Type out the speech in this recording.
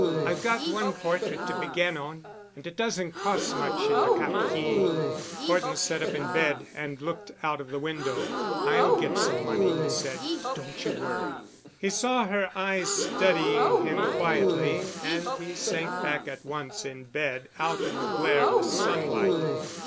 I've got one portrait to begin on—and it doesn't cost much in the Quartier." Horton sat up in bed and looked out of the window. "I'll get money," he said. "Don't you worry." He saw her eyes studying him quietly and he sank back at once in bed out of the glare of the sunlight.